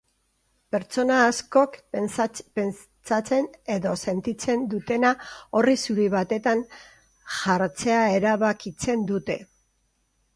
Pertsona askok pentsatzen edo sentitzen dutena orri zuri batetan jartzea erabakitzen dute.